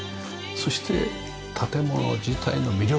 そして建物自体の魅力。